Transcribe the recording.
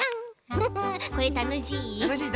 フフこれたのしい。